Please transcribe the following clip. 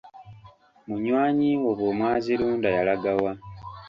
Munywanyi wo bwe mwazirunda yalagawa?